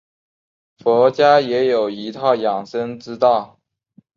佛家也有一套养生之道。